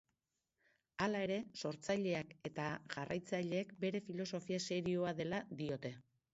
Hala ere, sortzaileak eta jarraitzaileek bere filosofia serioa dela diote.